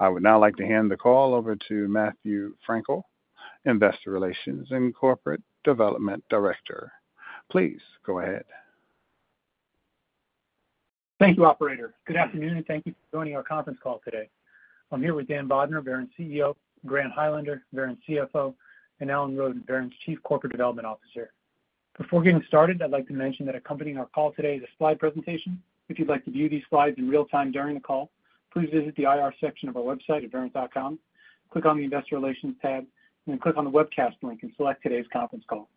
I would now like to hand the call over to Matthew Frankel, Investor Relations and Corporate Development Director. Please go ahead. Thank you, Operator. Good afternoon, and thank you for joining our conference call today. I'm here with Dan Bodner, Verint CEO, Grant Highlander, Verint CFO, and Alan Roden, Verint's Chief Corporate Development Officer. Before getting started, I'd like to mention that accompanying our call today is a slide presentation. If you'd like to view these slides in real time during the call, please visit the IR section of our website at verint.com, click on the Investor Relations tab, and then click on the webcast link and select today's conference call.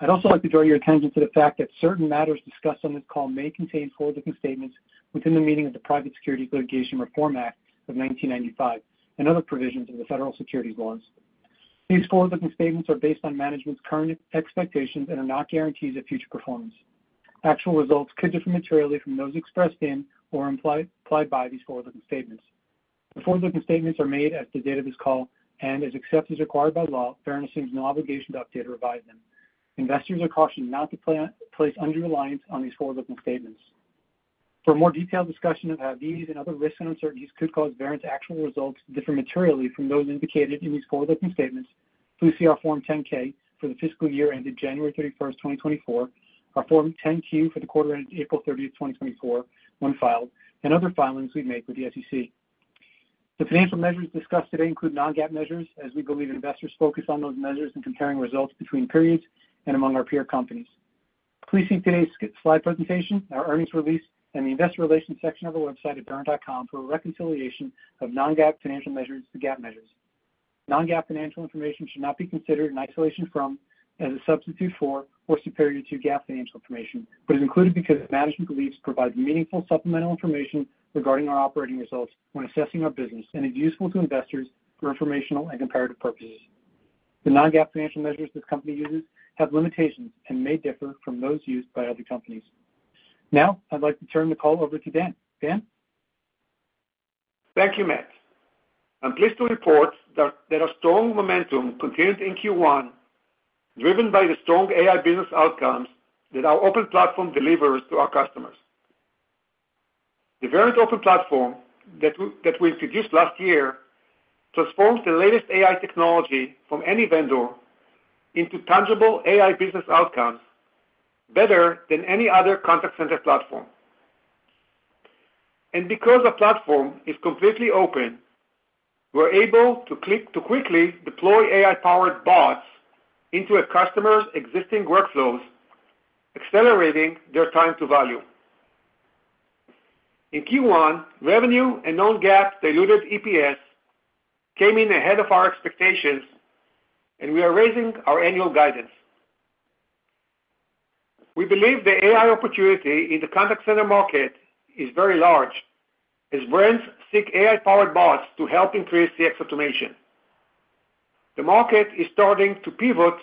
I'd also like to draw your attention to the fact that certain matters discussed on this call may contain forward-looking statements within the meaning of the Private Securities Litigation Reform Act of 1995 and other provisions of the federal securities laws. These forward-looking statements are based on management's current expectations and are not guarantees of future performance. Actual results could differ materially from those expressed in or implied by these forward-looking statements. The forward-looking statements are made as of the date of this call and, except as required by law, Verint assumes no obligation to update or revise them. Investors are cautioned not to place undue reliance on these forward-looking statements. For a more detailed discussion of how these and other risks and uncertainties could cause Verint's actual results to differ materially from those indicated in these forward-looking statements, please see our Form 10-K for the fiscal year ended January 31st, 2024, our Form 10-Q for the quarter ended April 30th, 2024, when filed, and other filings we've made with the SEC. The financial measures discussed today include non-GAAP measures, as we believe investors focus on those measures in comparing results between periods and among our peer companies. Please see today's slide presentation, our earnings release, and the Investor Relations section of our website at verint.com for a reconciliation of non-GAAP financial measures to GAAP measures. Non-GAAP financial information should not be considered in isolation from, as a substitute for, or superior to GAAP financial information, but is included because management believes it provides meaningful supplemental information regarding our operating results when assessing our business and is useful to investors for informational and comparative purposes. The non-GAAP financial measures this company uses have limitations and may differ from those used by other companies. Now, I'd like to turn the call over to Dan. Dan? Thank you, Matt. I'm pleased to report that there is strong momentum continued in Q1, driven by the strong AI business outcomes that our open platform delivers to our customers. The Verint Open Platform that we introduced last year transforms the latest AI technology from any vendor into tangible AI business outcomes, better than any other contact center platform. And because the platform is completely open, we're able to quickly deploy AI-powered bots into a customer's existing workflows, accelerating their time to value. In Q1, revenue and non-GAAP diluted EPS came in ahead of our expectations, and we are raising our annual guidance. We believe the AI opportunity in the contact center market is very large, as brands seek AI-powered bots to help increase CX automation. The market is starting to pivot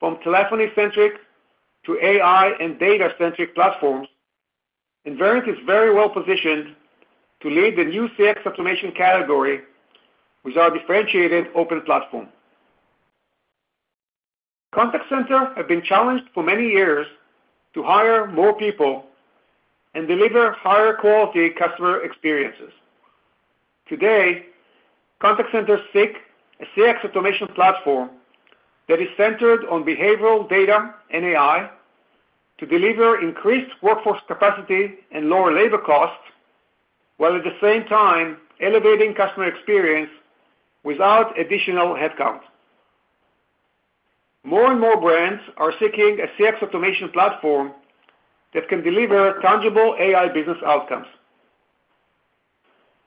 from telephony-centric to AI and data-centric platforms, and Verint is very well positioned to lead the new CX automation category with our differentiated open platform. Contact centers have been challenged for many years to hire more people and deliver higher-quality customer experiences. Today, contact centers seek a CX automation platform that is centered on behavioral data and AI to deliver increased workforce capacity and lower labor costs, while at the same time elevating customer experience without additional headcount. More and more brands are seeking a CX automation platform that can deliver tangible AI business outcomes.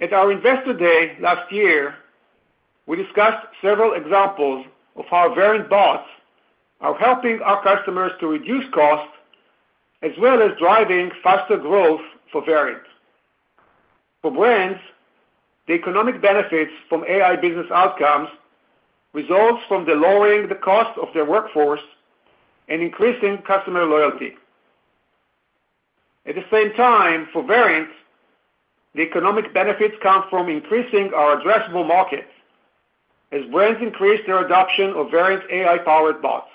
At our Invest Today last year, we discussed several examples of how Verint bots are helping our customers to reduce costs, as well as driving faster growth for Verint. For brands, the economic benefits from AI business outcomes result from lowering the cost of their workforce and increasing customer loyalty. At the same time, for Verint, the economic benefits come from increasing our addressable market, as brands increase their adoption of Verint AI-powered bots.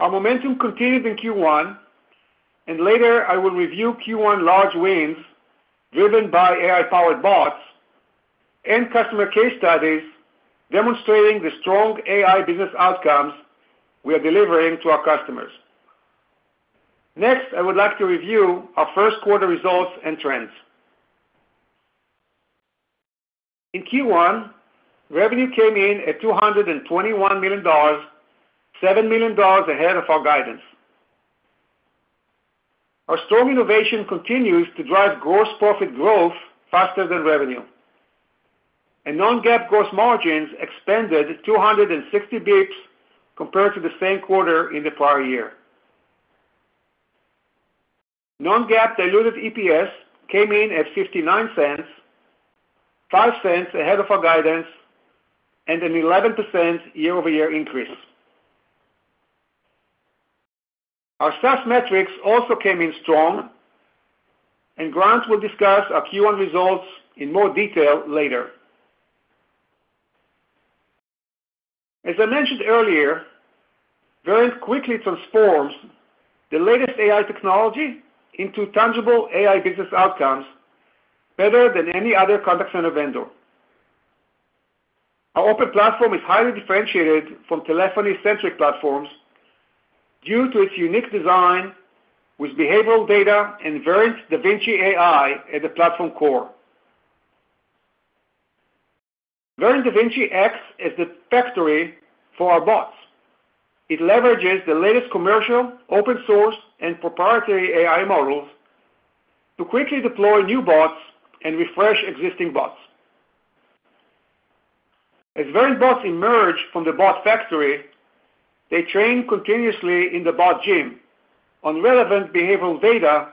Our momentum continued in Q1, and later, I will review Q1 large wins driven by AI-powered bots and customer case studies demonstrating the strong AI business outcomes we are delivering to our customers. Next, I would like to review our first quarter results and trends. In Q1, revenue came in at $221 million, $7 million ahead of our guidance. Our strong innovation continues to drive gross profit growth faster than revenue. Non-GAAP gross margins expanded 260 basis points compared to the same quarter in the prior year. Non-GAAP diluted EPS came in at $0.59, $0.05 ahead of our guidance, and an 11% year-over-year increase. Our SaaS metrics also came in strong, and Grant will discuss our Q1 results in more detail later. As I mentioned earlier, Verint quickly transforms the latest AI technology into tangible AI business outcomes better than any other contact center vendor. Our open platform is highly differentiated from telephony-centric platforms due to its unique design with behavioral data and Verint Da Vinci AI at the platform core. Verint Da Vinci acts as the factory for our bots. It leverages the latest commercial, open-source, and proprietary AI models to quickly deploy new bots and refresh existing bots. As Verint bots emerge from the bot factory, they train continuously in the bot gym on relevant behavioral data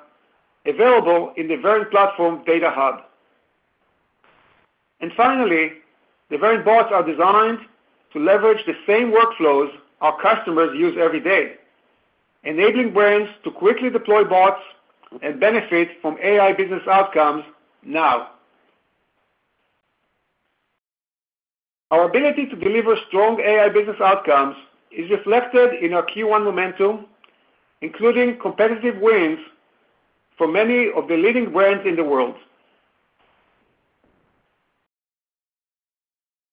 available in the Verint platform data hub. Finally, the Verint bots are designed to leverage the same workflows our customers use every day, enabling brands to quickly deploy bots and benefit from AI business outcomes now. Our ability to deliver strong AI business outcomes is reflected in our Q1 momentum, including competitive wins for many of the leading brands in the world.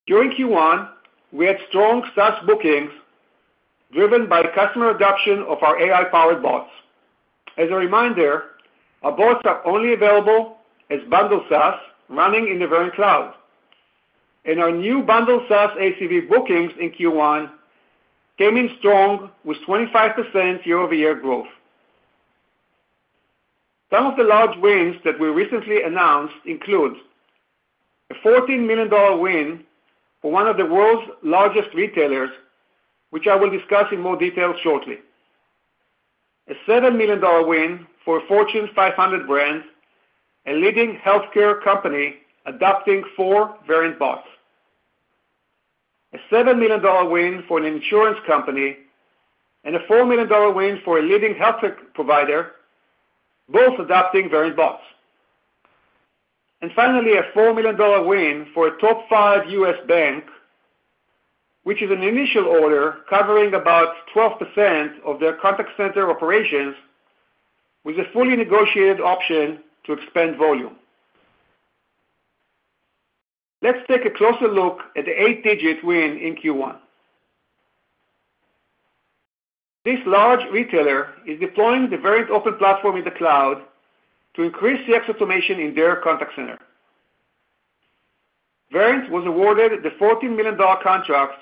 During Q1, we had strong SaaS bookings driven by customer adoption of our AI-powered bots. As a reminder, our bots are only available as bundled SaaS running in the Verint Cloud. Our new bundled SaaS ACV bookings in Q1 came in strong with 25% year-over-year growth. Some of the large wins that we recently announced include a $14 million win for one of the world's largest retailers, which I will discuss in more detail shortly. A $7 million win for a Fortune 500 brand, a leading healthcare company adopting four Verint bots. A $7 million win for an insurance company. And a $4 million win for a leading healthcare provider, both adopting Verint bots. And finally, a $4 million win for a top five U.S. bank, which is an initial order covering about 12% of their contact center operations, with a fully negotiated option to expand volume. Let's take a closer look at the 8-digit win in Q1. This large retailer is deploying the Verint Open Platform in the cloud to increase CX automation in their contact center. Verint was awarded the $14 million contract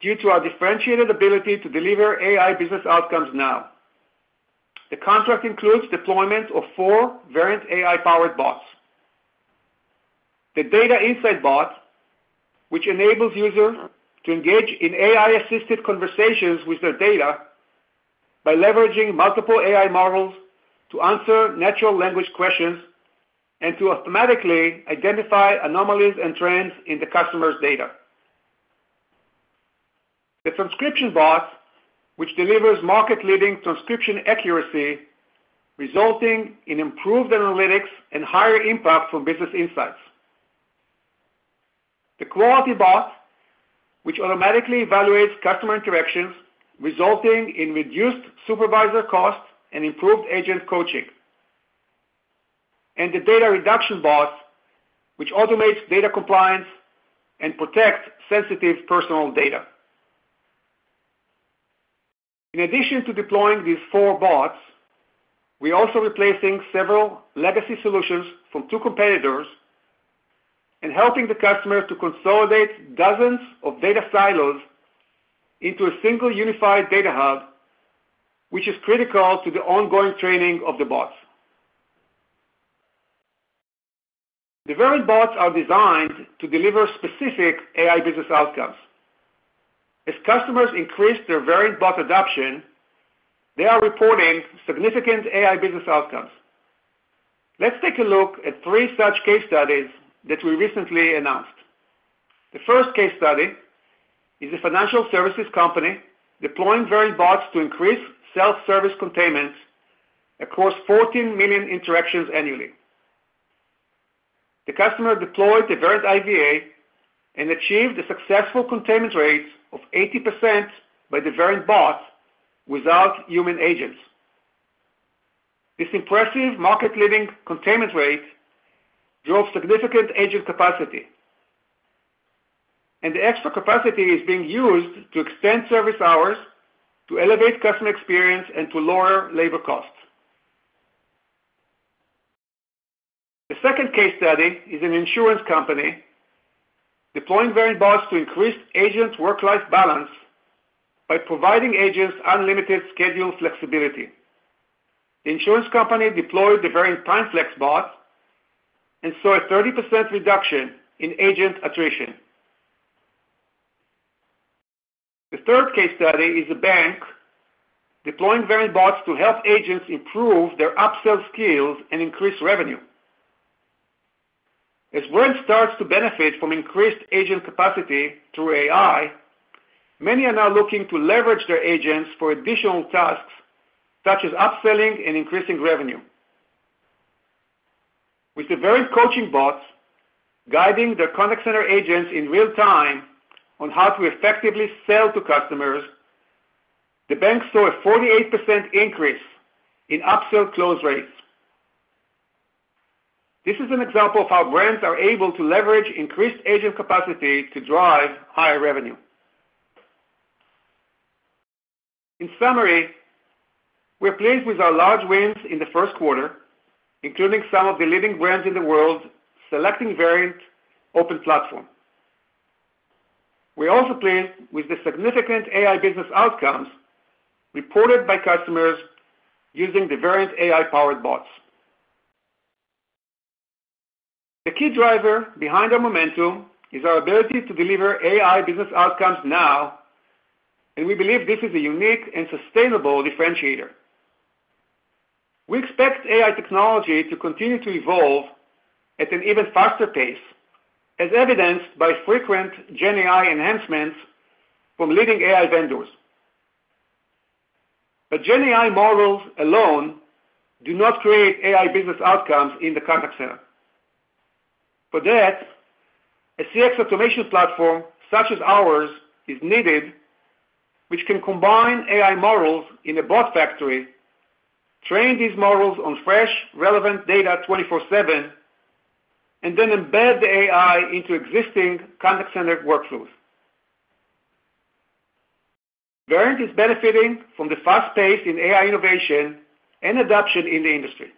due to our differentiated ability to deliver AI business outcomes now. The contract includes deployment of four Verint AI-powered bots: the Data Insights Bot, which enables users to engage in AI-assisted conversations with their data by leveraging multiple AI models to answer natural language questions and to automatically identify anomalies and trends in the customer's data; the Transcription Bot, which delivers market-leading transcription accuracy, resulting in improved analytics and higher impact from business insights; the Quality Bot, which automatically evaluates customer interactions, resulting in reduced supervisor costs and improved agent coaching; and the Data Redaction Bot, which automates data compliance and protects sensitive personal data. In addition to deploying these four bots, we are also replacing several legacy solutions from two competitors and helping the customers to consolidate dozens of data silos into a single unified data hub, which is critical to the ongoing training of the bots. The Verint bots are designed to deliver specific AI business outcomes. As customers increase their Verint bot adoption, they are reporting significant AI business outcomes. Let's take a look at three such case studies that we recently announced. The first case study is a financial services company deploying Verint bots to increase self-service containment across 14 million interactions annually. The customer deployed the Verint IVA and achieved a successful containment rate of 80% by the Verint bot without human agents. This impressive market-leading containment rate drove significant agent capacity, and the extra capacity is being used to extend service hours, to elevate customer experience, and to lower labor costs. The second case study is an insurance company deploying Verint bots to increase agent work-life balance by providing agents unlimited schedule flexibility. The insurance company deployed the Verint TimeFlex Bot and saw a 30% reduction in agent attrition. The third case study is a bank deploying Verint bots to help agents improve their upsell skills and increase revenue. As brands start to benefit from increased agent capacity through AI, many are now looking to leverage their agents for additional tasks such as upselling and increasing revenue. With the Verint coaching bots guiding their contact center agents in real time on how to effectively sell to customers, the bank saw a 48% increase in upsell close rates. This is an example of how brands are able to leverage increased agent capacity to drive higher revenue. In summary, we're pleased with our large wins in the first quarter, including some of the leading brands in the world selecting Verint Open Platform. We're also pleased with the significant AI business outcomes reported by customers using the Verint AI-powered bots. The key driver behind our momentum is our ability to deliver AI business outcomes now, and we believe this is a unique and sustainable differentiator. We expect AI technology to continue to evolve at an even faster pace, as evidenced by frequent GenAI enhancements from leading AI vendors. But GenAI models alone do not create AI business outcomes in the contact center. For that, a CX automation platform such as ours is needed, which can combine AI models in a bot factory, train these models on fresh, relevant data 24/7, and then embed the AI into existing contact center workflows. Verint is benefiting from the fast pace in AI innovation and adoption in the industry.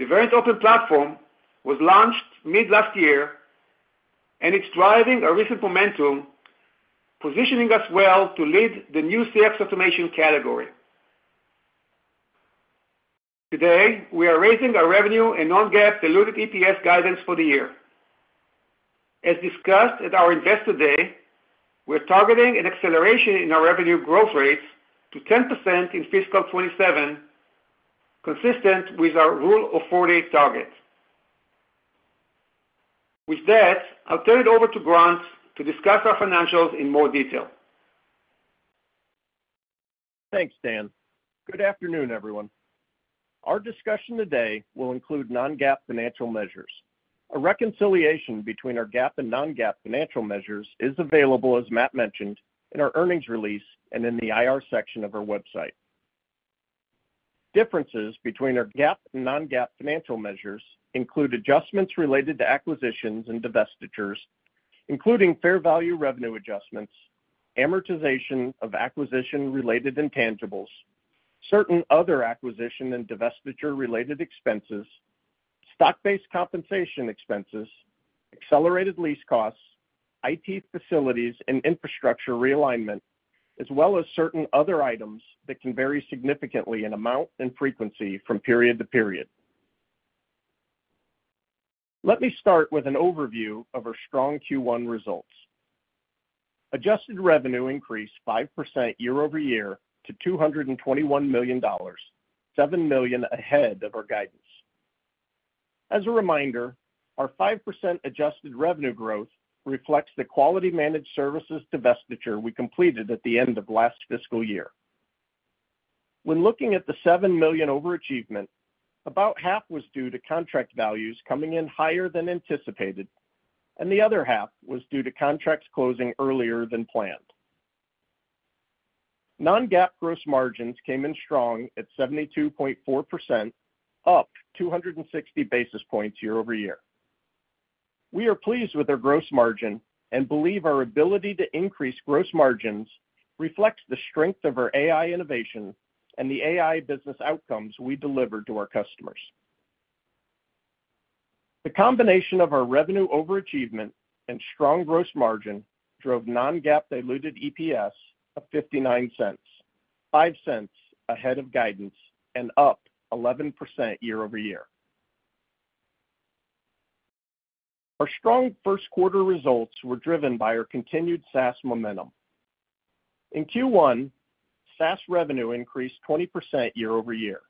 The Verint Open Platform was launched mid-last year, and it's driving a recent momentum, positioning us well to lead the new CX automation category. Today, we are raising our revenue and non-GAAP diluted EPS guidance for the year. As discussed at our Invest Today, we're targeting an acceleration in our revenue growth rates to 10% in fiscal 2027, consistent with our Rule of 40 target. With that, I'll turn it over to Grant to discuss our financials in more detail. Thanks, Dan. Good afternoon, everyone. Our discussion today will include non-GAAP financial measures. A reconciliation between our GAAP and non-GAAP financial measures is available, as Matt mentioned, in our earnings release and in the IR section of our website. Differences between our GAAP and Non-GAAP financial measures include adjustments related to acquisitions and divestitures, including fair value revenue adjustments, amortization of acquisition-related intangibles, certain other acquisition and divestiture-related expenses, stock-based compensation expenses, accelerated lease costs, IT facilities and infrastructure realignment, as well as certain other items that can vary significantly in amount and frequency from period to period. Let me start with an overview of our strong Q1 results. Adjusted revenue increased 5% year-over-year to $221 million, $7 million ahead of our guidance. As a reminder, our 5% adjusted revenue growth reflects the Quality Managed Services divestiture we completed at the end of last fiscal year. When looking at the $7 million overachievement, about half was due to contract values coming in higher than anticipated, and the other half was due to contracts closing earlier than planned. Non-GAAP gross margins came in strong at 72.4%, up 260 basis points year-over-year. We are pleased with our gross margin and believe our ability to increase gross margins reflects the strength of our AI innovation and the AI business outcomes we deliver to our customers. The combination of our revenue overachievement and strong gross margin drove non-GAAP diluted EPS of $0.59, $0.05 ahead of guidance and up 11% year-over-year. Our strong first quarter results were driven by our continued SaaS momentum. In Q1, SaaS revenue increased 20% year-over-year.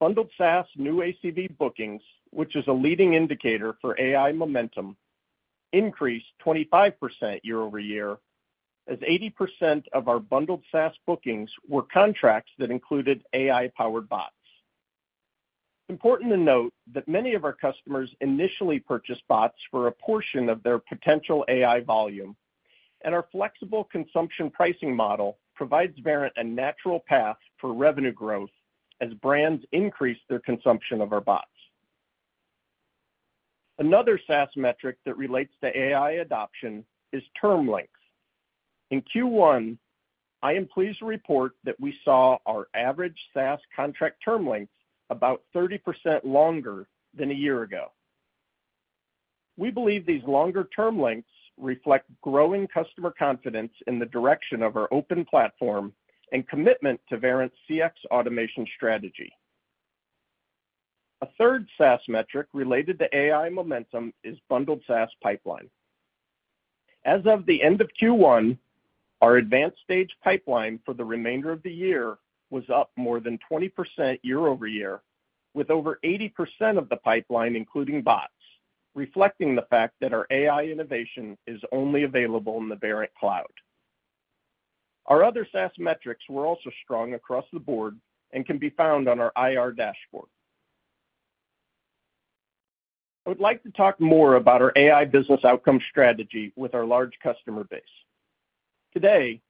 bundled SaaS new ACV bookings, which is a leading indicator for AI momentum, increased 25% year-over-year as 80% of our bundled SaaS bookings were contracts that included AI-powered bots. It's important to note that many of our customers initially purchased bots for a portion of their potential AI volume, and our flexible consumption pricing model provides Verint a natural path for revenue growth as brands increase their consumption of our bots. Another SaaS metric that relates to AI adoption is term length. In Q1, I am pleased to report that we saw our average SaaS contract term length about 30% longer than a year ago. We believe these longer term lengths reflect growing customer confidence in the direction of our open platform and commitment to Verint's CX automation strategy. A third SaaS metric related to AI momentum is bundled SaaS pipeline. As of the end of Q1, our advanced stage pipeline for the remainder of the year was up more than 20% year-over-year, with over 80% of the pipeline including bots, reflecting the fact that our AI innovation is only available in the Verint Cloud. Our other SaaS metrics were also strong across the board and can be found on our IR dashboard. I would like to talk more about our AI business outcome strategy with our large customer base. Today,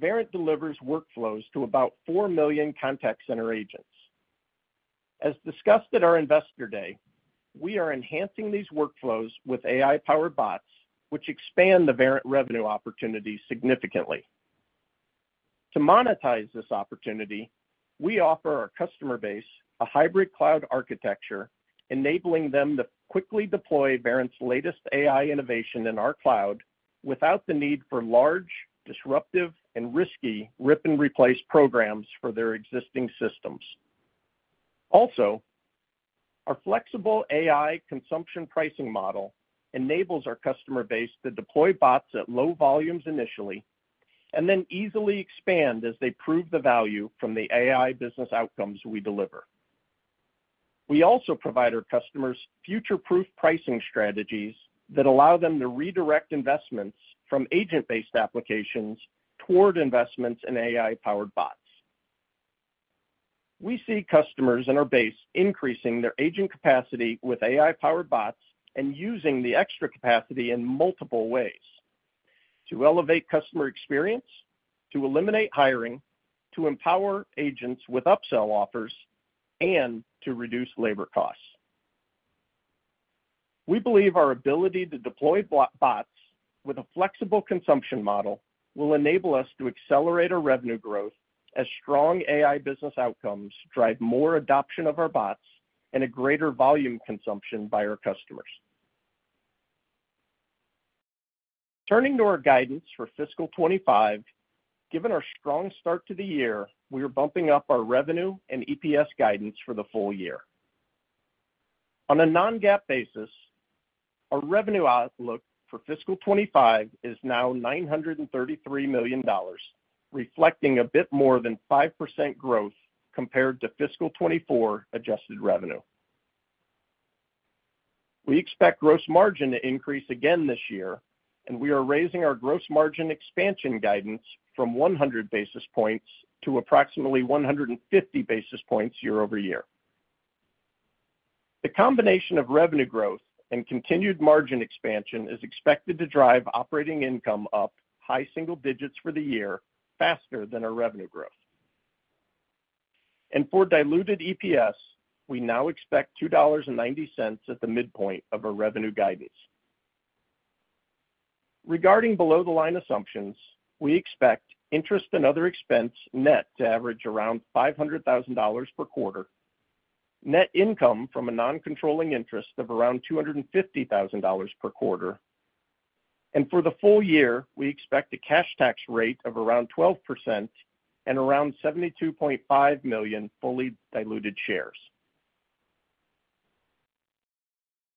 Verint delivers workflows to about 4 million contact center agents. As discussed at our Investor Day, we are enhancing these workflows with AI-powered bots, which expand the Verint revenue opportunity significantly. To monetize this opportunity, we offer our customer base a hybrid cloud architecture, enabling them to quickly deploy Verint's latest AI innovation in our cloud without the need for large, disruptive, and risky rip-and-replace programs for their existing systems. Also, our flexible AI consumption pricing model enables our customer base to deploy bots at low volumes initially and then easily expand as they prove the value from the AI business outcomes we deliver. We also provide our customers future-proof pricing strategies that allow them to redirect investments from agent-based applications toward investments in AI-powered bots. We see customers and our base increasing their agent capacity with AI-powered bots and using the extra capacity in multiple ways: to elevate customer experience, to eliminate hiring, to empower agents with upsell offers, and to reduce labor costs. We believe our ability to deploy bots with a flexible consumption model will enable us to accelerate our revenue growth as strong AI business outcomes drive more adoption of our bots and a greater volume consumption by our customers. Turning to our guidance for fiscal 2025, given our strong start to the year, we are bumping up our revenue and EPS guidance for the full year. On a Non-GAAP basis, our revenue outlook for fiscal 2025 is now $933 million, reflecting a bit more than 5% growth compared to fiscal 2024 adjusted revenue. We expect gross margin to increase again this year, and we are raising our gross margin expansion guidance from 100 basis points to approximately 150 basis points year-over-year. The combination of revenue growth and continued margin expansion is expected to drive operating income up high single digits for the year faster than our revenue growth. For diluted EPS, we now expect $2.90 at the midpoint of our revenue guidance. Regarding below-the-line assumptions, we expect interest and other expense net to average around $500,000 per quarter, net income from a non-controlling interest of around $250,000 per quarter, and for the full year, we expect a cash tax rate of around 12% and around 72.5 million fully diluted shares.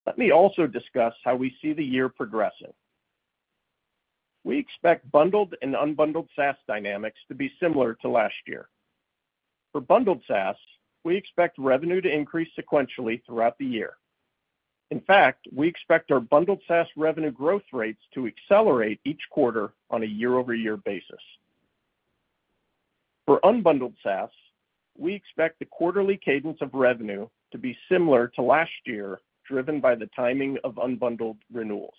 Let me also discuss how we see the year progressing. We expect bundled and unbundled SaaS dynamics to be similar to last year. For bundled SaaS, we expect revenue to increase sequentially throughout the year. In fact, we expect our bundled SaaS revenue growth rates to accelerate each quarter on a year-over-year basis. For unbundled SaaS, we expect the quarterly cadence of revenue to be similar to last year, driven by the timing of unbundled renewals.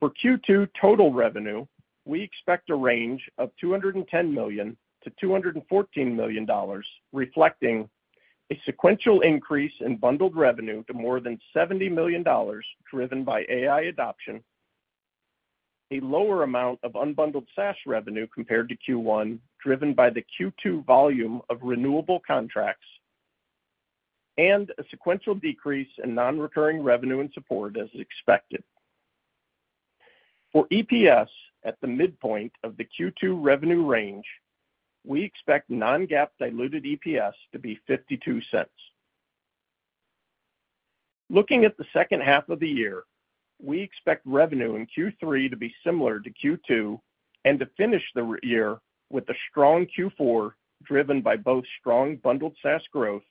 For Q2 total revenue, we expect a range of $210 million-$214 million, reflecting a sequential increase in bundled revenue to more than $70 million driven by AI adoption, a lower amount of unbundled SaaS revenue compared to Q1 driven by the Q2 volume of renewable contracts, and a sequential decrease in non-recurring revenue and support as expected. For EPS at the midpoint of the Q2 revenue range, we expect non-GAAP diluted EPS to be $0.52. Looking at the second half of the year, we expect revenue in Q3 to be similar to Q2 and to finish the year with a strong Q4 driven by both strong bundled SaaS growth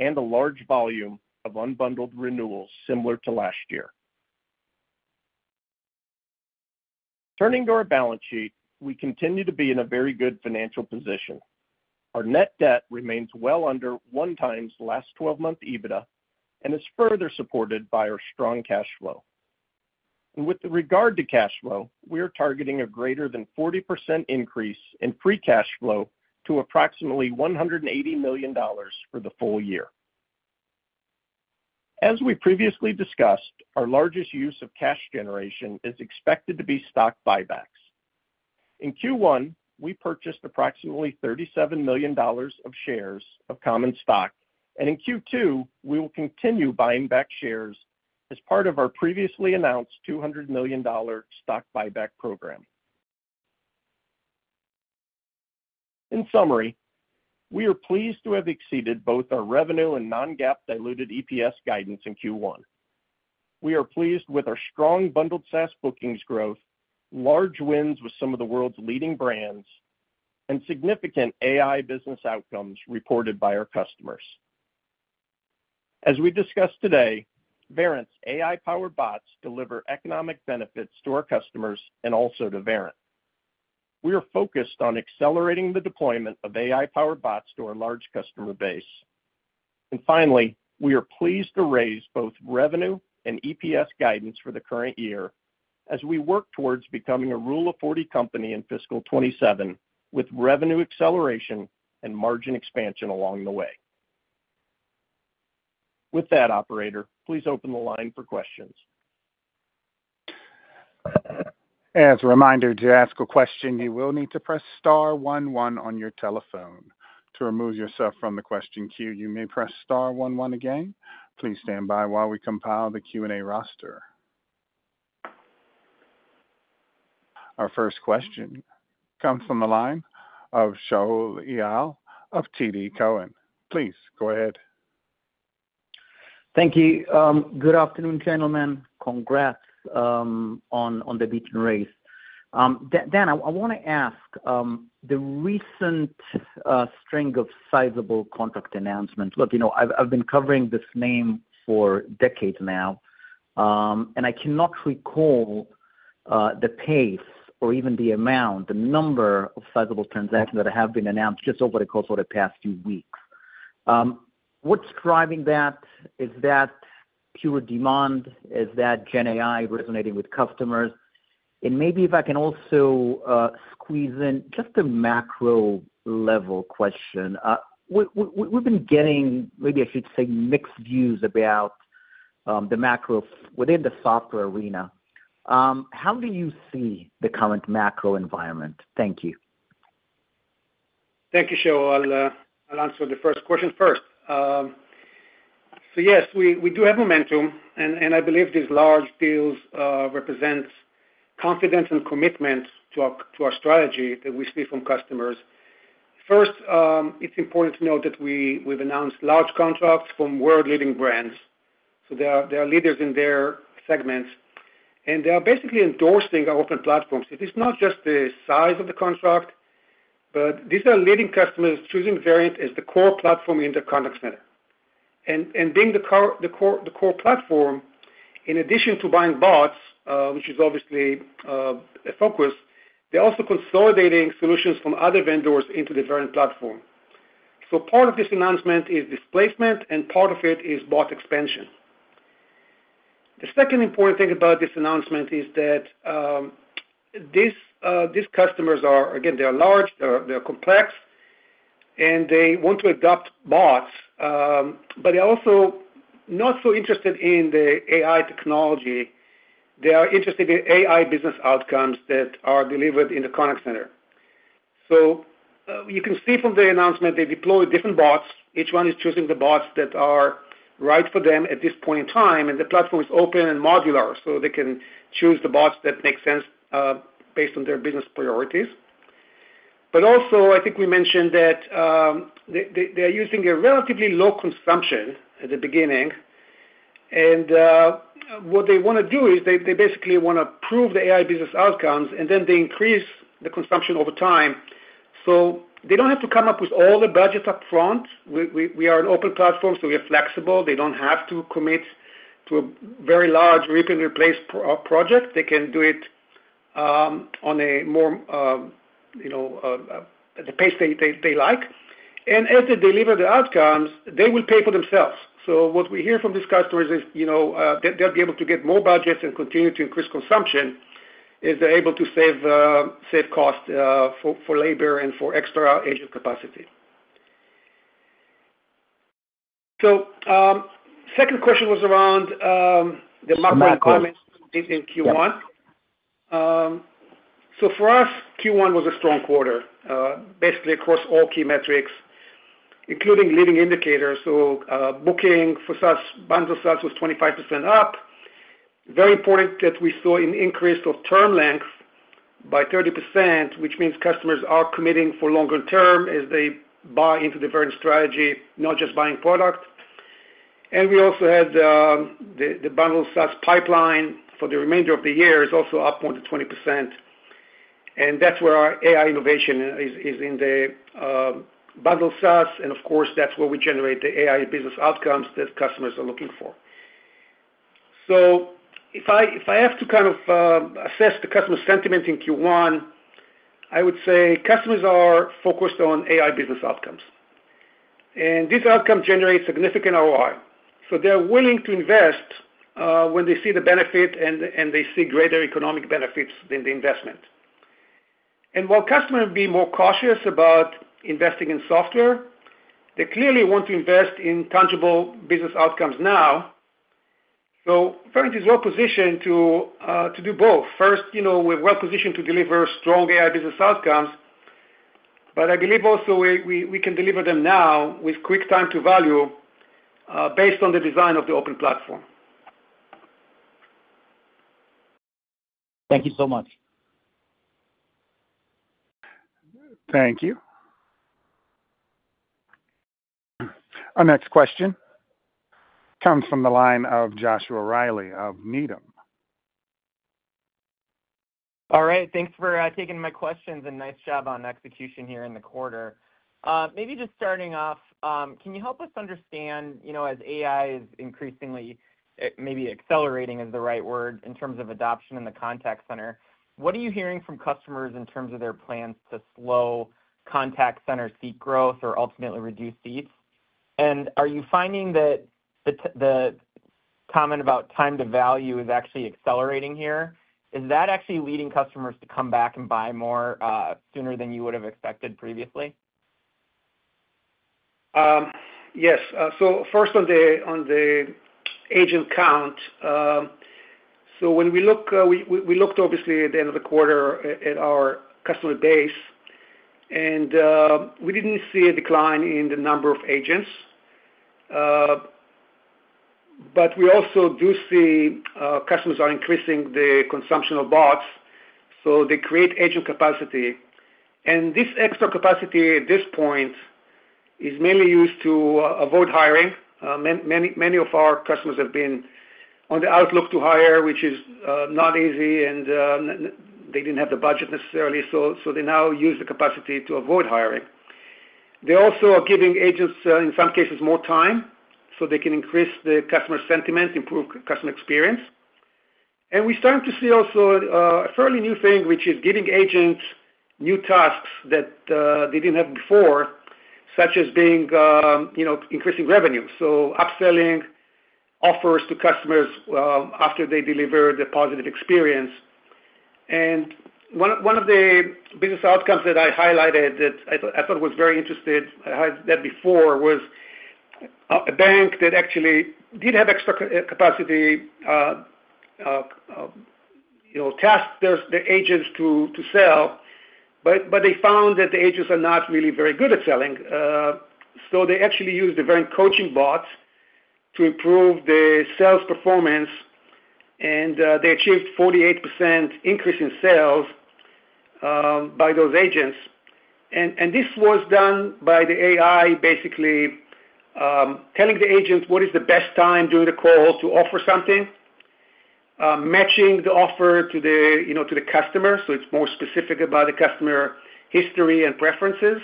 and a large volume of unbundled renewals similar to last year. Turning to our balance sheet, we continue to be in a very good financial position. Our net debt remains well under 1x last 12-month EBITDA and is further supported by our strong cash flow. With regard to cash flow, we are targeting a greater than 40% increase in free cash flow to approximately $180 million for the full year. As we previously discussed, our largest use of cash generation is expected to be stock buybacks. In Q1, we purchased approximately $37 million of shares of common stock, and in Q2, we will continue buying back shares as part of our previously announced $200 million stock buyback program. In summary, we are pleased to have exceeded both our revenue and non-GAAP diluted EPS guidance in Q1. We are pleased with our strong bundled SaaS bookings growth, large wins with some of the world's leading brands, and significant AI business outcomes reported by our customers. As we discussed today, Verint's AI-powered bots deliver economic benefits to our customers and also to Verint. We are focused on accelerating the deployment of AI-powered bots to our large customer base. Finally, we are pleased to raise both revenue and EPS guidance for the current year as we work towards becoming a Rule of 40 company in fiscal 2027 with revenue acceleration and margin expansion along the way. With that, Operator, please open the line for questions. As a reminder, to ask a question, you will need to press star one one on your telephone. To remove yourself from the question queue, you may press star one one again. Please stand by while we compile the Q&A roster. Our first question comes from the line of Shaul Eyal of TD Cowen. Please go ahead. Thank you. Good afternoon, gentlemen. Congrats on the beat and raise. Dan, I want to ask, the recent string of sizable contract announcements, look, I've been covering this name for decades now, and I cannot recall the pace or even the amount, the number of sizable transactions that have been announced just over the course of the past few weeks. What's driving that? Is that pure demand? Is that GenAI resonating with customers? And maybe if I can also squeeze in just a macro-level question. We've been getting, maybe I should say, mixed views about the macro within the software arena. How do you see the current macro environment? Thank you. Thank you, Shaul. I'll answer the first question first. So yes, we do have momentum, and I believe these large deals represent confidence and commitment to our strategy that we see from customers. First, it's important to note that we've announced large contracts from world-leading brands. So they are leaders in their segments, and they are basically endorsing our open platforms. It is not just the size of the contract, but these are leading customers choosing Verint as the core platform in their contact center. And being the core platform, in addition to buying bots, which is obviously a focus, they're also consolidating solutions from other vendors into the Verint platform. So part of this announcement is displacement, and part of it is bot expansion. The second important thing about this announcement is that these customers are, again, they are large, they are complex, and they want to adopt bots, but they are also not so interested in the AI technology. They are interested in AI business outcomes that are delivered in the contact center. So you can see from the announcement they deployed different bots. Each one is choosing the bots that are right for them at this point in time, and the platform is open and modular, so they can choose the bots that make sense based on their business priorities. But also, I think we mentioned that they are using a relatively low consumption at the beginning, and what they want to do is they basically want to prove the AI business outcomes, and then they increase the consumption over time. So they don't have to come up with all the budgets upfront. We are an open platform, so we are flexible. They don't have to commit to a very large rip-and-replace project. They can do it on a more at the pace they like. And as they deliver the outcomes, they will pay for themselves. So what we hear from these customers is they'll be able to get more budgets and continue to increase consumption if they're able to save cost for labor and for extra agent capacity. So the second question was around the macroeconomics in Q1. So for us, Q1 was a strong quarter, basically across all key metrics, including leading indicators. So booking for SaaS, bundled SaaS was 25% up. Very important that we saw an increase of term length by 30%, which means customers are committing for longer term as they buy into the Verint strategy, not just buying product. And we also had the bundled SaaS pipeline for the remainder of the year is also up more than 20%. And that's where our AI innovation is in the bundled SaaS, and of course, that's where we generate the AI business outcomes that customers are looking for. So if I have to kind of assess the customer sentiment in Q1, I would say customers are focused on AI business outcomes. And these outcomes generate significant ROI. So they're willing to invest when they see the benefit and they see greater economic benefits than the investment. And while customers be more cautious about investing in software, they clearly want to invest in tangible business outcomes now. So Verint is well positioned to do both. First, we're well positioned to deliver strong AI business outcomes, but I believe also we can deliver them now with quick time to value based on the design of the open platform. Thank you so much. Thank you. Our next question comes from the line of Joshua Reilly of Needham. All right. Thanks for taking my questions and nice job on execution here in the quarter. Maybe just starting off, can you help us understand as AI is increasingly maybe accelerating is the right word in terms of adoption in the contact center, what are you hearing from customers in terms of their plans to slow contact center seat growth or ultimately reduce seats? And are you finding that the comment about time to value is actually accelerating here? Is that actually leading customers to come back and buy more sooner than you would have expected previously? Yes. So first on the agent count. So when we looked obviously at the end of the quarter at our customer base, and we didn't see a decline in the number of agents. But we also do see customers are increasing the consumption of bots, so they create agent capacity. And this extra capacity at this point is mainly used to avoid hiring. Many of our customers have been on the lookout to hire, which is not easy, and they didn't have the budget necessarily. So they now use the capacity to avoid hiring. They also are giving agents, in some cases, more time so they can increase the customer sentiment, improve customer experience. And we're starting to see also a fairly new thing, which is giving agents new tasks that they didn't have before, such as being increasing revenue. So upselling offers to customers after they deliver the positive experience. And one of the business outcomes that I highlighted that I thought was very interesting, I had that before, was a bank that actually did have extra capacity tasked the agents to sell, but they found that the agents are not really very good at selling. So they actually used the Verint coaching bots to improve the sales performance, and they achieved a 48% increase in sales by those agents. And this was done by the AI basically telling the agent what is the best time during the call to offer something, matching the offer to the customer. So it's more specific about the customer history and preferences.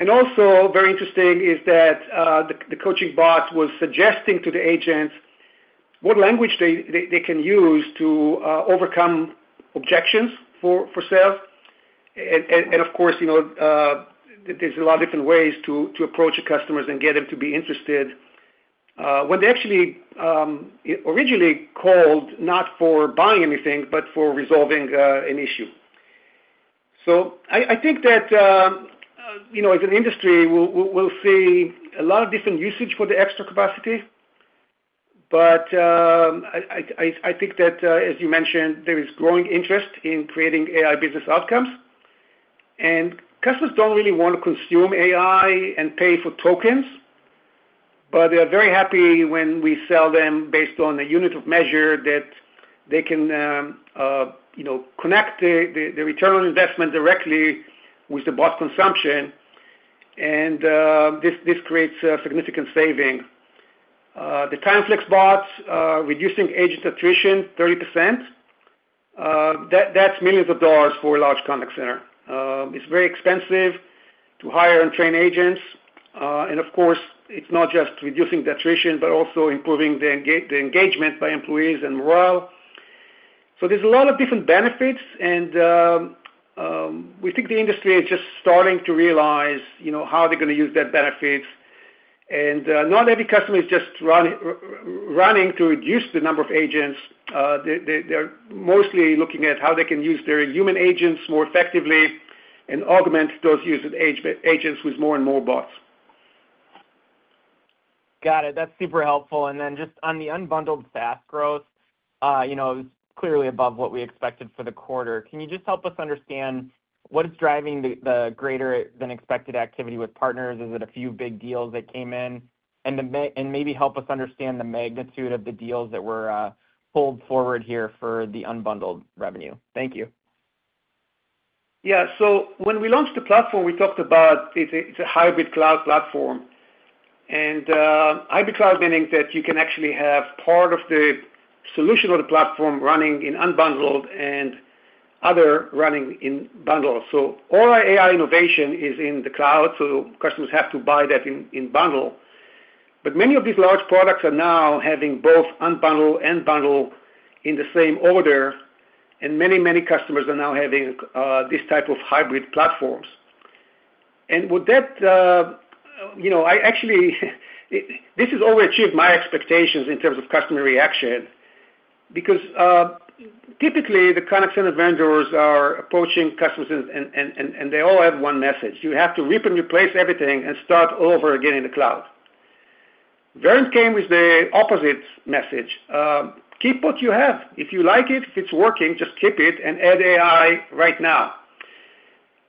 And also, very interesting is that the coaching bot was suggesting to the agents what language they can use to overcome objections for sales. And of course, there's a lot of different ways to approach customers and get them to be interested when they actually originally called not for buying anything, but for resolving an issue. So I think that as an industry, we'll see a lot of different usage for the extra capacity. But I think that, as you mentioned, there is growing interest in creating AI business outcomes. And customers don't really want to consume AI and pay for tokens, but they are very happy when we sell them based on a unit of measure that they can connect the return on investment directly with the bot consumption. And this creates a significant saving. The TimeFlex bots, reducing agent attrition 30%, that's millions of dollars for a large contact center. It's very expensive to hire and train agents. And of course, it's not just reducing the attrition, but also improving the engagement by employees and morale. So there's a lot of different benefits, and we think the industry is just starting to realize how they're going to use that benefit. And not every customer is just running to reduce the number of agents. They're mostly looking at how they can use their human agents more effectively and augment those human agents with more and more bots. Got it. That's super helpful. Then just on the unbundled SaaS growth, it was clearly above what we expected for the quarter. Can you just help us understand what is driving the greater-than-expected activity with partners? Is it a few big deals that came in? And maybe help us understand the magnitude of the deals that were pulled forward here for the unbundled revenue. Thank you. Yeah. So when we launched the platform, we talked about it. It's a hybrid cloud platform. And hybrid cloud meaning that you can actually have part of the solution of the platform running in unbundled and other running in bundled. So all our AI innovation is in the cloud, so customers have to buy that in bundle. But many of these large products are now having both unbundled and bundled in the same order, and many, many customers are now having this type of hybrid platforms. And with that, I actually this has overachieved my expectations in terms of customer reaction because typically, the contact center vendors are approaching customers, and they all have one message. You have to rip and replace everything and start over again in the cloud. Verint came with the opposite message. Keep what you have. If you like it, if it's working, just keep it and add AI right now.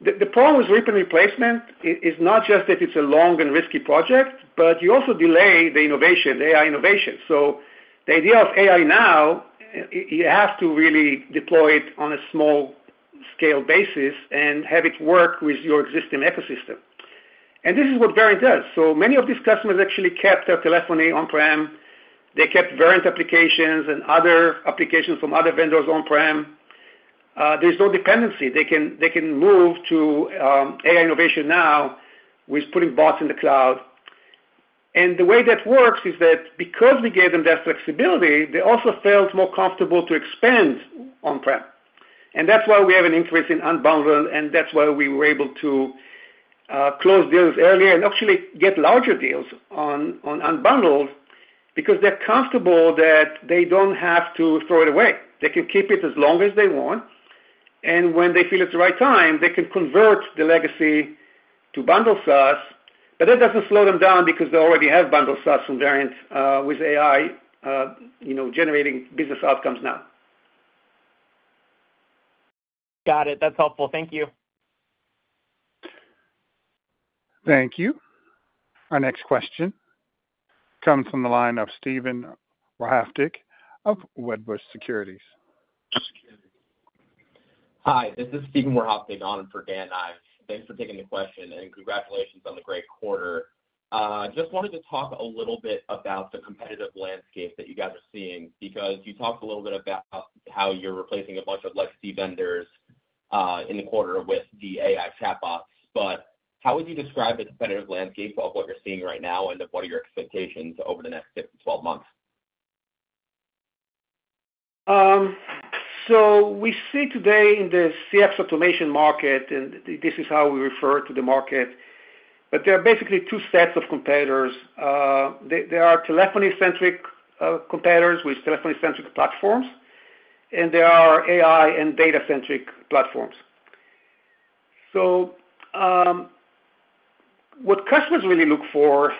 The problem with rip and replacement is not just that it's a long and risky project, but you also delay the innovation, the AI innovation. So the idea of AI now, you have to really deploy it on a small-scale basis and have it work with your existing ecosystem. This is what Verint does. So many of these customers actually kept their telephony on-prem. They kept Verint applications and other applications from other vendors on-prem. There's no dependency. They can move to AI innovation now with putting bots in the cloud. And the way that works is that because we gave them that flexibility, they also felt more comfortable to expand on-prem. And that's why we have an increase in unbundled, and that's why we were able to close deals earlier and actually get larger deals on unbundled because they're comfortable that they don't have to throw it away. They can keep it as long as they want. And when they feel it's the right time, they can convert the legacy to bundled SaaS. But that doesn't slow them down because they already have bundled SaaS from Verint with AI generating business outcomes now. Got it. That's helpful. Thank you. Thank you. Our next question comes from the line of Steven Wahrhaftig of Wedbush Securities. Hi. This is Steven Wahrhaftig, standing in for Dan Ives. Thanks for taking the question, and congratulations on the great quarter. Just wanted to talk a little bit about the competitive landscape that you guys are seeing because you talked a little bit about how you're replacing a bunch of legacy vendors in the quarter with the AI chatbots. But how would you describe the competitive landscape of what you're seeing right now and of what are your expectations over the next 12 months? So we see today in the CX automation market, and this is how we refer to the market, but there are basically two sets of competitors. There are telephony-centric competitors with telephony-centric platforms, and there are AI and data-centric platforms. So what customers really look for,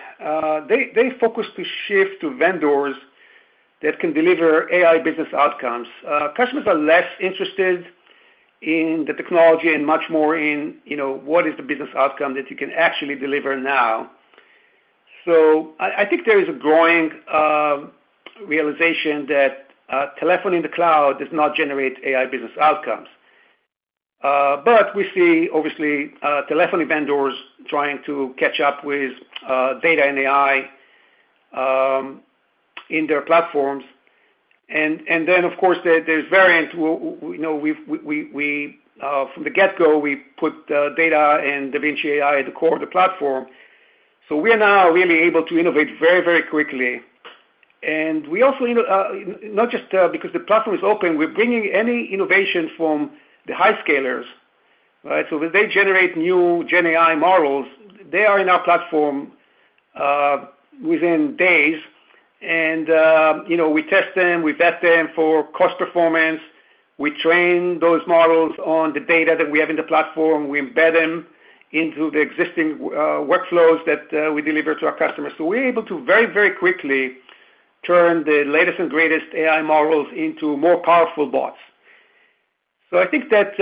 they focus to shift to vendors that can deliver AI business outcomes. Customers are less interested in the technology and much more in what is the business outcome that you can actually deliver now. So I think there is a growing realization that telephony in the cloud does not generate AI business outcomes. But we see, obviously, telephony vendors trying to catch up with data and AI in their platforms. And then, of course, there's Verint. From the get-go, we put data and Da Vinci AI at the core of the platform. So we are now really able to innovate very, very quickly. And we also, not just because the platform is open, we're bringing any innovation from the hyperscalers, right? So when they generate new GenAI models, they are in our platform within days. And we test them. We vet them for cost performance. We train those models on the data that we have in the platform. We embed them into the existing workflows that we deliver to our customers. So we're able to very, very quickly turn the latest and greatest AI models into more powerful bots. So I think that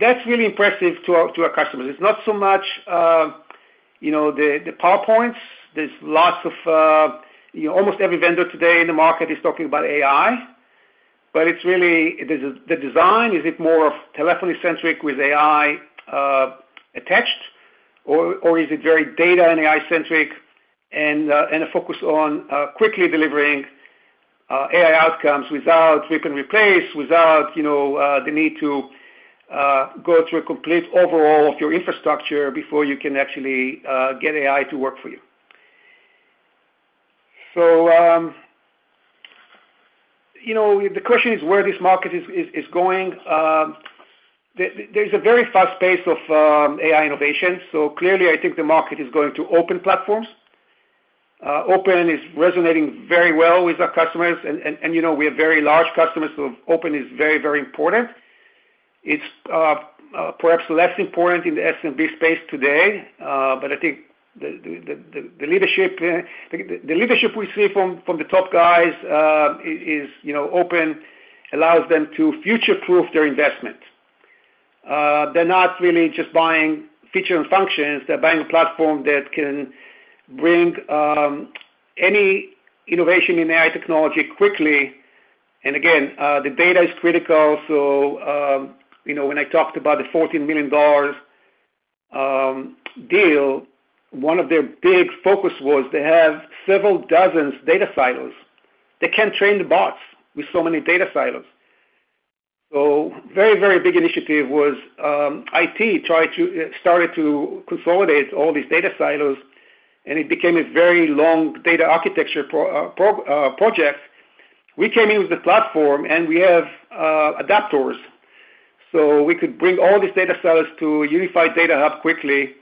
that's really impressive to our customers. It's not so much the PowerPoints. There's lots of almost every vendor today in the market is talking about AI, but it's really the design. Is it more of telephony-centric with AI attached, or is it very data and AI-centric and a focus on quickly delivering AI outcomes without rip and replace, without the need to go through a complete overhaul of your infrastructure before you can actually get AI to work for you? So the question is where this market is going. There's a very fast pace of AI innovation. So clearly, I think the market is going to open platforms. Open is resonating very well with our customers, and we have very large customers, so open is very, very important. It's perhaps less important in the SMB space today, but I think the leadership we see from the top guys is open allows them to future-proof their investment. They're not really just buying features and functions. They're buying a platform that can bring any innovation in AI technology quickly. And again, the data is critical. So when I talked about the $14 million deal, one of their big focuses was they have several dozen data silos. They can't train the bots with so many data silos. So very, very big initiative was IT started to consolidate all these data silos, and it became a very long data architecture project. We came in with the platform, and we have adapters. So we could bring all these data silos to a unified data hub quickly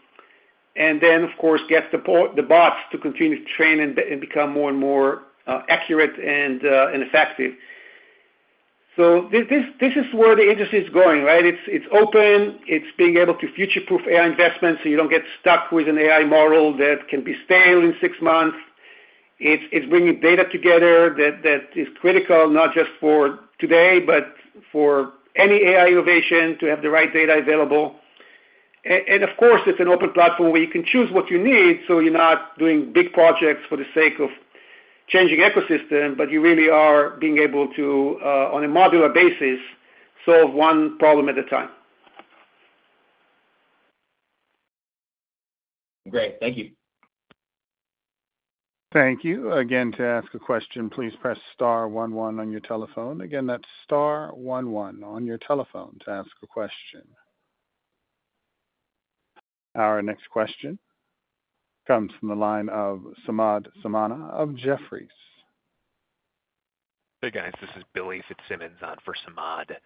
and then, of course, get the bots to continue to train and become more and more accurate and effective. So this is where the industry is going, right? It's open. It's being able to future-proof AI investments so you don't get stuck with an AI model that can be stale in six months. It's bringing data together that is critical, not just for today, but for any AI innovation to have the right data available. And of course, it's an open platform where you can choose what you need, so you're not doing big projects for the sake of changing ecosystem, but you really are being able to, on a modular basis, solve one problem at a time. Great. Thank you. Thank you. Again, to ask a question, please press star one one on your telephone. Again, that's star one one on your telephone to ask a question. Our next question comes from the line of Samad Samana of Jefferies. Hey, guys. This is Billy Fitzsimmons on for Samad.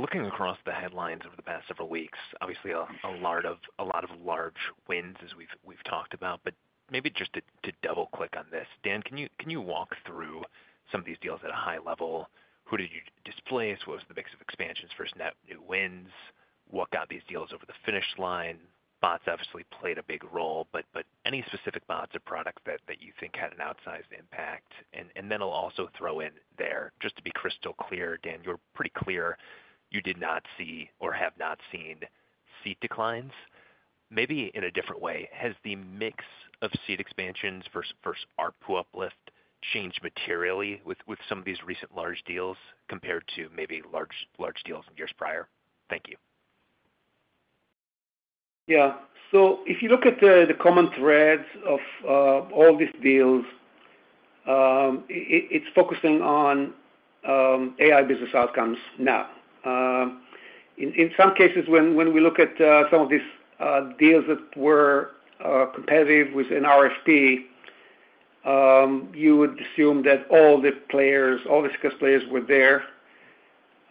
Looking across the headlines over the past several weeks, obviously a lot of large wins as we've talked about, but maybe just to double-click on this. Dan, can you walk through some of these deals at a high level? Who did you displace? What was the mix of expansions versus net new wins? What got these deals over the finish line? Bots obviously played a big role, but any specific bots or products that you think had an outsized impact? And then I'll also throw in there, just to be crystal clear, Dan, you're pretty clear you did not see or have not seen seed declines. Maybe in a different way, has the mix of seed expansions versus ARPU uplift changed materially with some of these recent large deals compared to maybe large deals years prior? Thank you. Yeah. So if you look at the common threads of all these deals, it's focusing on AI business outcomes now. In some cases, when we look at some of these deals that were competitive with an RFP, you would assume that all the players, all the success players were there.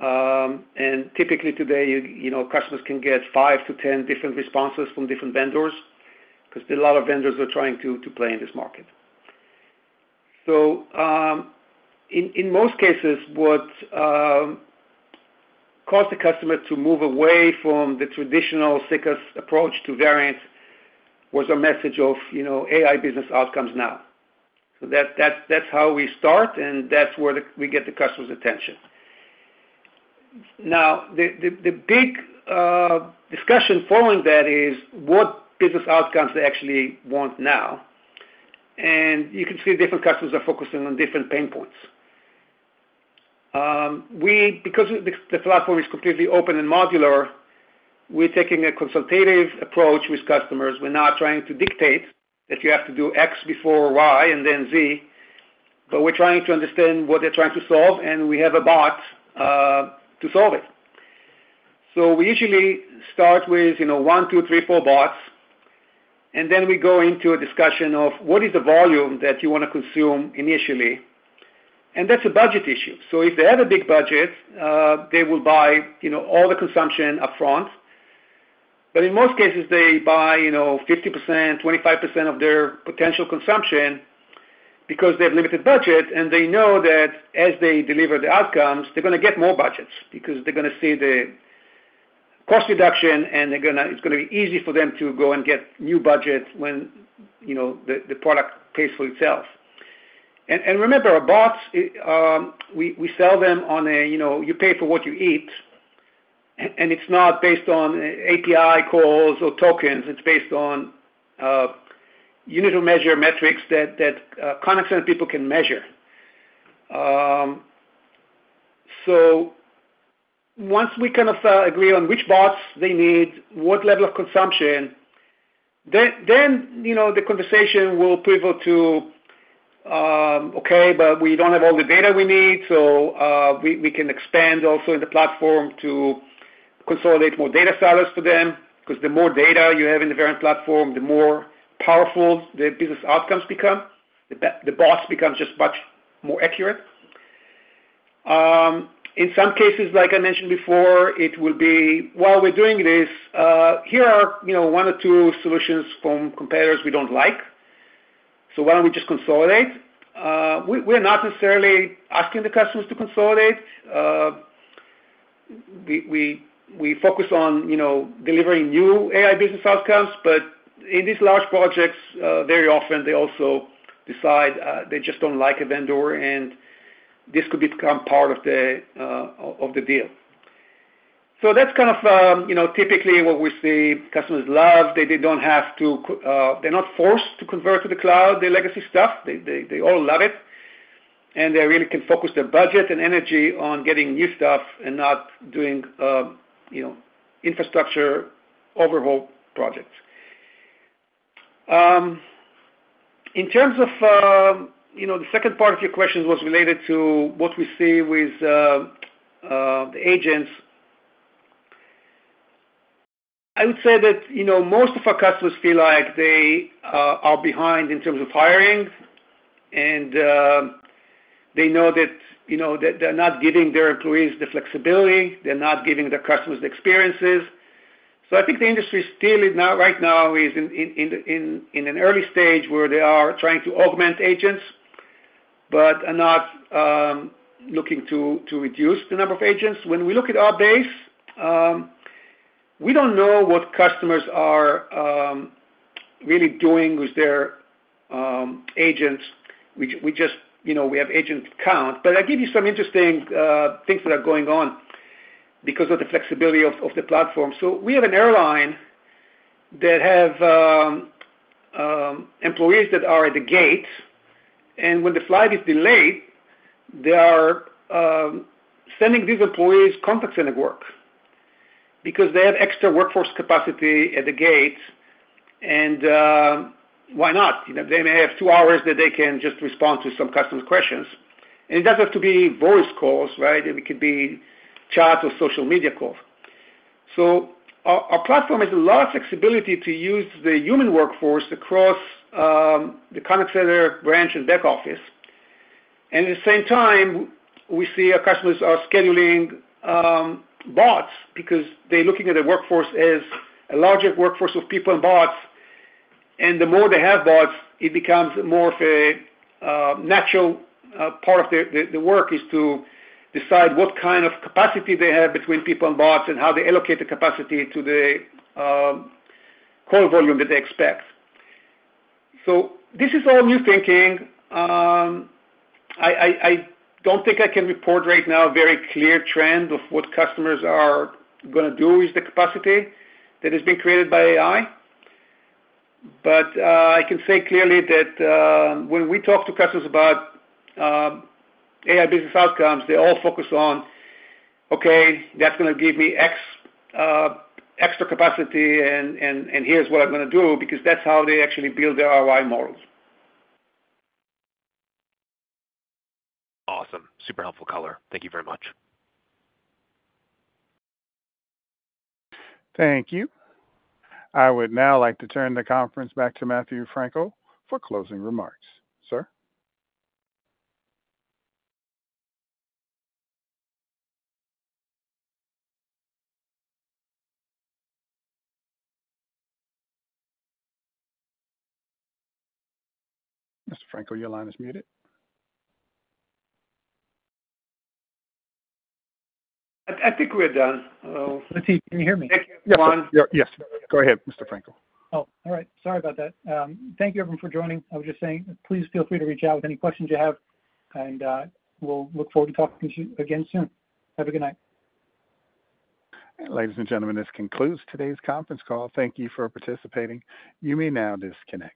And typically today, customers can get 5-10 different responses from different vendors because a lot of vendors are trying to play in this market. So in most cases, what caused the customer to move away from the traditional CCaaS approach to Verint was a message of AI business outcomes now. So that's how we start, and that's where we get the customer's attention. Now, the big discussion following that is what business outcomes they actually want now. And you can see different customers are focusing on different pain points. Because the platform is completely open and modular, we're taking a consultative approach with customers. We're not trying to dictate that you have to do X before Y and then Z, but we're trying to understand what they're trying to solve, and we have a bot to solve it. So we usually start with one, two, three, four bots, and then we go into a discussion of what is the volume that you want to consume initially. And that's a budget issue. So if they have a big budget, they will buy all the consumption upfront. But in most cases, they buy 50%, 25% of their potential consumption because they have limited budget, and they know that as they deliver the outcomes, they're going to get more budgets because they're going to see the cost reduction, and it's going to be easy for them to go and get new budgets when the product pays for itself. And remember, bots, we sell them on a you pay for what you eat, and it's not based on API calls or tokens. It's based on unit of measure metrics that contact center people can measure. So once we kind of agree on which bots they need, what level of consumption, then the conversation will pivot to, "Okay, but we don't have all the data we need, so we can expand also in the platform to consolidate more data silos for them." Because the more data you have in the Verint platform, the more powerful the business outcomes become. The bots become just much more accurate. In some cases, like I mentioned before, it will be, "While we're doing this, here are one or two solutions from competitors we don't like. So why don't we just consolidate?" We're not necessarily asking the customers to consolidate. We focus on delivering new AI business outcomes, but in these large projects, very often they also decide they just don't like a vendor, and this could become part of the deal. So that's kind of typically what we see customers love. They don't have to. They're not forced to convert to the cloud, the legacy stuff. They all love it. And they really can focus their budget and energy on getting new stuff and not doing infrastructure overhaul projects. In terms of the second part of your question was related to what we see with the agents. I would say that most of our customers feel like they are behind in terms of hiring, and they know that they're not giving their employees the flexibility. They're not giving their customers the experiences. So I think the industry still right now is in an early stage where they are trying to augment agents, but are not looking to reduce the number of agents. When we look at our base, we don't know what customers are really doing with their agents. We just have agent count. But I give you some interesting things that are going on because of the flexibility of the platform. So we have an airline that has employees that are at the gate, and when the flight is delayed, they are sending these employees contact center work because they have extra workforce capacity at the gate. And why not? They may have two hours that they can just respond to some customer's questions. And it doesn't have to be voice calls, right? It could be chat or social media calls. So our platform has a lot of flexibility to use the human workforce across the contact center, branch, and back office. And at the same time, we see our customers are scheduling bots because they're looking at their workforce as a larger workforce of people and bots. And the more they have bots, it becomes more of a natural part of their work is to decide what kind of capacity they have between people and bots and how they allocate the capacity to the call volume that they expect. This is all new thinking. I don't think I can report right now a very clear trend of what customers are going to do with the capacity that has been created by AI. I can say clearly that when we talk to customers about AI business outcomes, they all focus on, "Okay, that's going to give me extra capacity, and here's what I'm going to do," because that's how they actually build their ROI models. Awesome. Super helpful color. Thank you very much. Thank you. I would now like to turn the conference back to Matthew Frankel for closing remarks. Sir. Mr. Frankel, your line is muted. I think we're done. Let's see. Can you hear me? Yes. Go ahead, Mr. Frankel. Oh, all right. Sorry about that. Thank you everyone for joining. I was just saying, please feel free to reach out with any questions you have, and we'll look forward to talking to you again soon. Have a good night. Ladies and gentlemen, this concludes today's conference call. Thank you for participating. You may now disconnect.